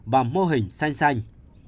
và mô hình xanh xanh